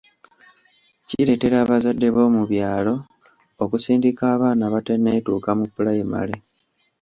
Kireetera abazadde b’omu byalo okusindika abaana abatanneetuuka mu pulayimale.